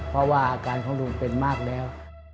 เพราะว่าอาการของลุงเป็นมากแล้ว